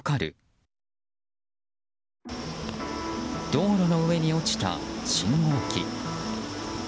道路の上に落ちた信号機。